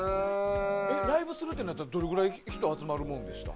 ライブするとなったらどのぐらい人が集まるものですか。